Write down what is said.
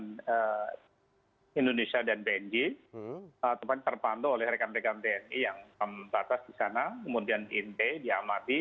di indonesia dan bnj tempatnya terpandu oleh rekan rekan tni yang terbatas di sana kemudian inpe diamati